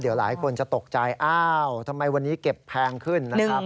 เดี๋ยวหลายคนจะตกใจอ้าวทำไมวันนี้เก็บแพงขึ้นนะครับ